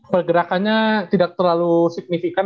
pergerakannya tidak terlalu signifikan